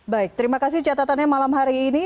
baik terima kasih catatannya malam hari ini